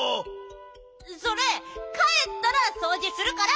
それかえったらそうじするから！